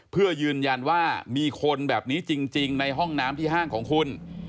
เพื่อยืนยันว่ามีคนแบบนี้จริงในห้องน้ำที่ห้างของคุณ